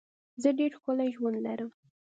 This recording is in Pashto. زه ډېر ښکلی ژوند لرم.